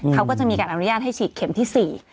เขาก็จะมีการอนุญาตให้ฉีดเข็มที่๔